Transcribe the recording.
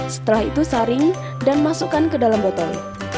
setelah itu saring dan masukkan ke dalam botol